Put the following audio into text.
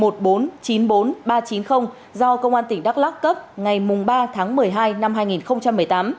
số chứng minh nhân dân hai bốn một bốn chín bốn ba chín không do công an tỉnh đắk lắc cấp ngày ba tháng một mươi hai năm hai nghìn một mươi tám